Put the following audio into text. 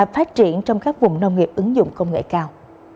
phát triển trong các vùng nông nghiệp ứng dụng công nghệ cao